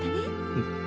うん。